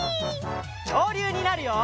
きょうりゅうになるよ！